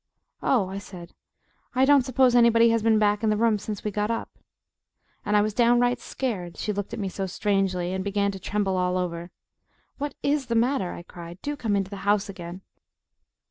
"Oh," I said, "I don't suppose anybody has been back in the room since we got up." And I was downright scared, she looked at me so strangely and began to tremble all over. "What IS the matter?" I cried. "Do come into the house again!"